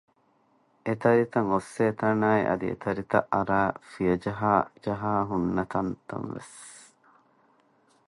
އެތަރިތައް އޮއްސޭތަނާއި އަދި އެތަރިތައް އަރައި ފިޔަޖަހަޖަހާ ހުންނަތަން ވެސް